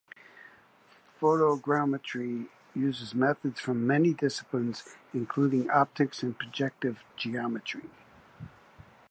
Photogrammetry uses methods from many disciplines, including optics and projective geometry.